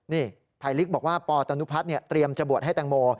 นี่ไพริกบอกว่าปอตนุพัฒน์เนี่ยเตรียมจะบวชให้แตงโม